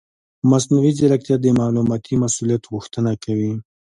مصنوعي ځیرکتیا د معلوماتي مسؤلیت غوښتنه کوي.